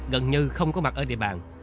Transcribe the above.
gần như không có mặt ở địa bàn